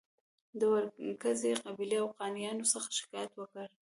د ورکزي قبیلې اوغانیانو څخه شکایت وکړ.